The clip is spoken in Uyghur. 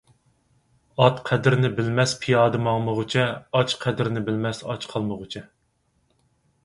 ئات قەدرىنى بىلمەس پىيادە ماڭمىغۇچە، ئاچ قەدرىنى بىلمەس ئاچ قالمىغۇچە.